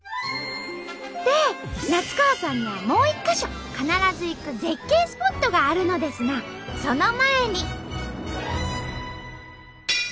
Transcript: で夏川さんにはもう１か所必ず行く絶景スポットがあるのですがその前に。